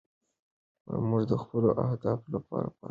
موږ د خپلو اهدافو لپاره پلان جوړوو.